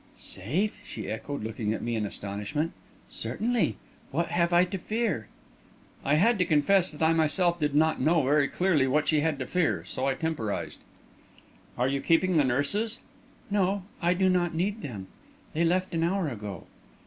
"Safe?" she echoed, looking at me in astonishment. "Certainly. What have I to fear?" I had to confess that I myself did not know very clearly what she had to fear, so I temporised. "Are you keeping the nurses?" "No; I do not need them. They left an hour ago."